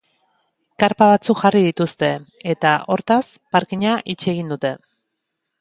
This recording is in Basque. Karpa batzuk jarri dituzte, eta, hortaz, parkinga itxi egin dute.